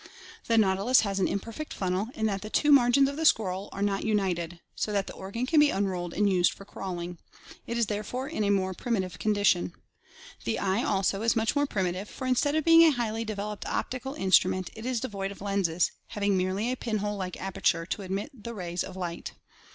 The nautilus has an imperfect funnel in that the two margins of the scroll are not united, so that the organ can be unrolled and used for crawling. It is therefore in a more primitive condition. The eye also is much more primitive, for instead of being a highly developed optical in strument, it is devoid of lenses, having merely a pinhole like aperture to admit the rays of light.